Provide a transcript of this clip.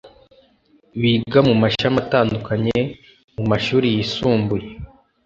biga mu mashami atandukanye mu mashuri yisumbuye